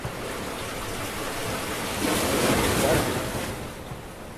kʰulto ḍar halanc bi